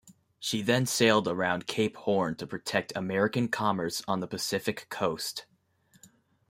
She then sailed around Cape Horn to protect American commerce on the Pacific coast.